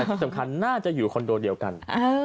ที่สำคัญน่าจะอยู่คอนโดเดียวกัน